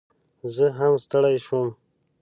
زه هم ستړي شوم